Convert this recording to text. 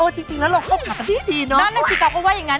จริงแล้วเหลอกเท้าตาดิ่งเนอะน่ะก็ก็ว่าอย่างนั้น